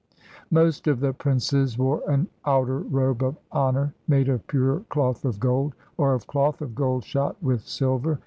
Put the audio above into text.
" "Most of the princes wore an outer robe of honor, made of pure cloth of gold, or of cloth of gold shot with silver.